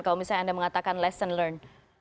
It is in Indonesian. kalau misalnya anda mengatakan lesson learned